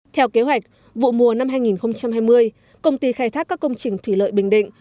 theo kế hoạch vụ mùa năm hai nghìn hai mươi công ty khai thác các công trình thủy lợi bình định